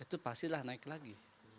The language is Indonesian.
itu pastilah naik lagi